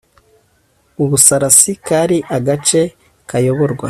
u busarasi kari agace kayoborwa